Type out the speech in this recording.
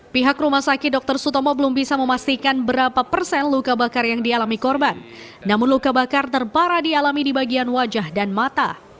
pihak rumah sakit dr sutomo belum bisa memastikan berapa persen luka bakar yang dialami korban namun luka bakar terparah dialami di bagian wajah dan mata